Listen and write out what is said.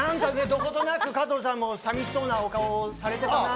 どことなく加藤さんも寂しそうなお顔をされていたな。